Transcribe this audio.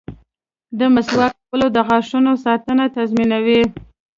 • د مسواک کول د غاښونو ساتنه تضمینوي.